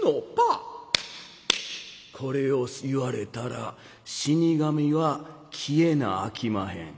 「これを言われたら死神は消えなあきまへん。